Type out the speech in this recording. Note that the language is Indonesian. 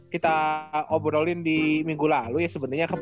kita obrolin di minggu lalu ya sebenarnya